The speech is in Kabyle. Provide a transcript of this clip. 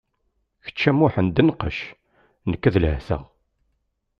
Kečč a Muḥend nqec, nekk ad lehteɣ.